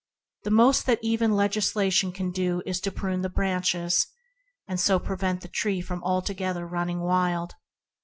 The most that even legislation can do is to prune the branches, and so prevent the tree from altogether running wild.